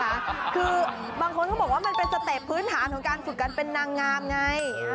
คือบางคนเขาบอกว่ามันเป็นสเต็ปพื้นฐานของการฝึกการเป็นนางงามไง